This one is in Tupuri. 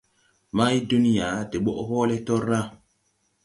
Maydunya de ɓɔʼ hɔɔlɛ tɔrlà.